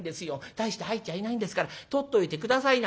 大して入っちゃいないんですから取っといて下さいな」。